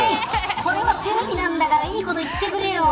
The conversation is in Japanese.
それはテレビなんだからいいこと言ってくれよ。